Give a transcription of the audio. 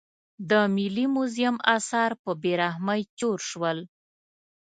د ملي موزیم اثار په بې رحمۍ چور شول.